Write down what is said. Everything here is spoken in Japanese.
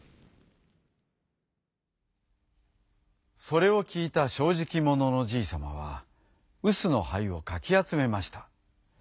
それをきいたしょうじきもののじいさまはうすのはいをかきあつめました。